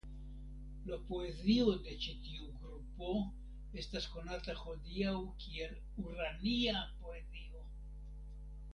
La poezio de ĉi tiu grupo estas konata hodiaŭ kiel "urania poezio.